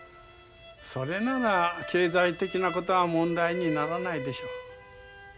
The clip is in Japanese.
それなら経済的なことは問題にならないでしょう。